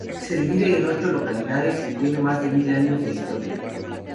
Se divide en ocho localidades y tiene más de mil años de historia.